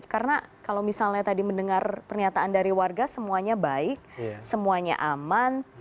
karena kalau misalnya tadi mendengar pernyataan dari warga semuanya baik semuanya aman